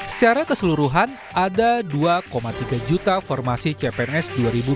secara keseluruhan ada dua tiga juta formasi cpns dua ribu dua puluh